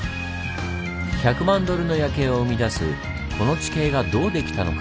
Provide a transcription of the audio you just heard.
１００万ドルの夜景を生み出すこの地形がどうできたのか？